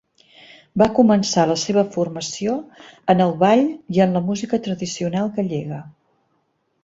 Va començar la seva formació en el ball i en la música tradicional gallega.